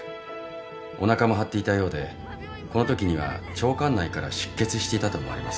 おなかも張っていたようでこのときには腸管内から出血していたと思われます。